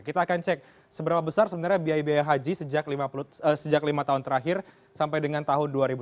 kita akan cek seberapa besar sebenarnya biaya biaya haji sejak lima tahun terakhir sampai dengan tahun dua ribu tujuh belas